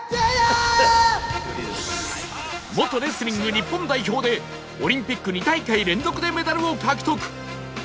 元レスリング日本代表でオリンピック２大会連続でメダルを獲得